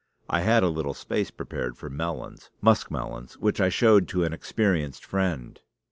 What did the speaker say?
I had a little space prepared for melons muskmelons, which I showed to an experienced friend.